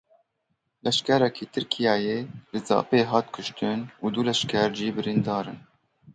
Leşkerekî Tirkiyeyê li Zapê hat kuştin û du leşker jî birîndar in.